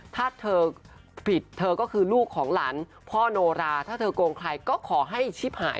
ถ้าเธอผิดเธอก็คือลูกของหลานพ่อโนราถ้าเธอโกงใครก็ขอให้ชิปหาย